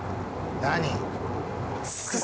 何？